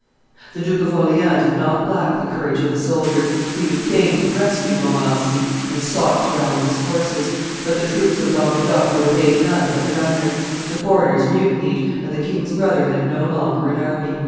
] The Duke of Orleans did not lack the courage of the soldier; he would fain have rescued Montmorency and sought to rally his forces; but the troops of Languedoc would obey none but the governor; the foreigners mutinied, and the king's brother had no longer an army.